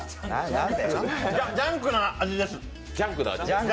ジャンクな味です。